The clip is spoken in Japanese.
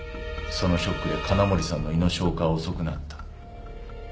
そのショックで金森さんの胃の消化は遅くなった。